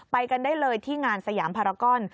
ไปกันได้เลยที่งานสยามภารกร